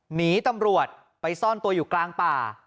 หนีตำรวจไปซ่อนตัวอยู่กลางป่า